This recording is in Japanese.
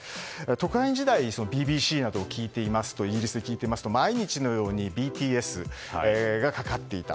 特派員時代にイギリスＢＢＣなどを聞いていますと毎日のようにＢＴＳがかかっていた。